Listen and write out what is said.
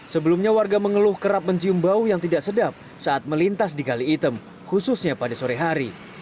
sebelumnya warga mengeluh kerap mencium bau yang tidak sedap saat melintas di kali item khususnya pada sore hari